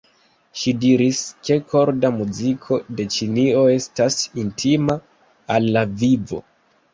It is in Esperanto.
Ŝi diris, ke korda muziko de Ĉinio estas intima al la vivo.